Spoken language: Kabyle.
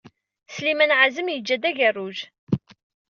Sliman ɛazem yeǧǧa-d agarruj.